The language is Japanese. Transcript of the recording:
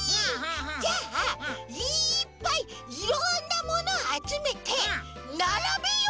じゃあいっぱいいろんなものをあつめてならべよう！